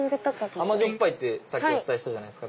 甘じょっぱいってさっきお伝えしたじゃないですか。